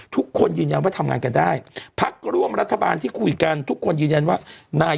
ที่รัฐสภาพก่อน